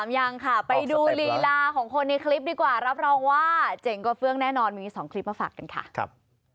ยังค่ะไปดูลีลาของคนในคลิปดีกว่ารับรองว่าเจ๋งกว่าเฟื่องแน่นอนมี๒คลิปมาฝากกันค่ะ